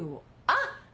あっ！